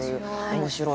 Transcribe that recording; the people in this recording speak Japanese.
面白い。